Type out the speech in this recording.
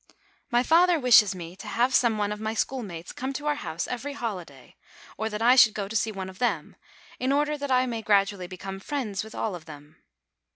MY father wishes me to have some one of my schoolmates come to our house every holiday, or that I should go to see one of them, in order that I may gradually become friends with all of them.